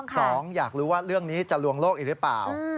อยากรู้ว่าเรื่องนี้จะลวงโลกอีกหรือเปล่า